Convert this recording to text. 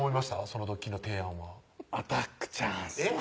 その時の提案はアタックチャーンスえっ？